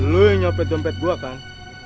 lu nyupet dompet gua kan